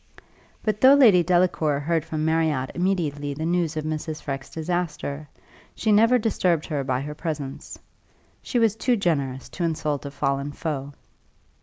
But though Lady Delacour heard from Marriott immediately the news of Mrs. Freke's disaster, she never disturbed her by her presence. She was too generous to insult a fallen foe.